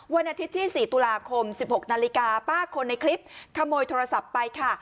วันอาทิตย์ที่๔ตุลาคม๑๖นาฬิกาป้าคนในคลิปขโมยโทรศัพท์ไปค่ะ